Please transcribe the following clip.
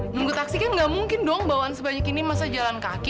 nunggu taksi kan nggak mungkin dong bawaan sebanyak ini masa jalan kaki